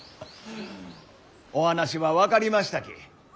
お話は分かりましたき。